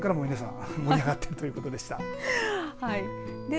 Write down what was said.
この時間から皆さん盛り上がっているということでした。